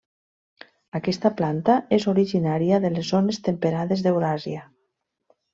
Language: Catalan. Aquesta planta és originària de les zones temperades d'Euràsia.